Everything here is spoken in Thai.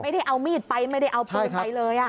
ไม่ได้เอามีดไปไม่ได้เอาปืนไปเลย